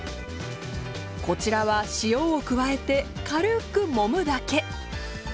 こちらは塩を加えて軽くもむだけ。